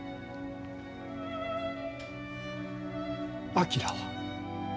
昭は？